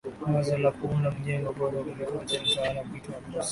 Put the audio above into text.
wazo la kuunda mjengo bora kuliko yote lilitawala kichwa ch bruce ismay